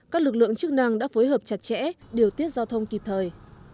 các lực lượng chức năng đã phối hợp chặt chẽ điều tiết giao thông kịp thời